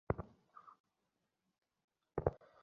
কেবলই মনে হয়েছে সূর্য উঠল বলে।